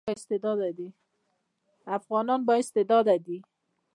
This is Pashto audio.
افغانان با استعداده دي